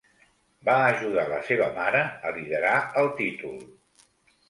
Va ajudar la seva mare a liderar el títol.